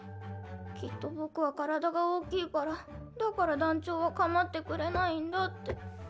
きっと僕は体が大きいからだから団長は構ってくれないんだって。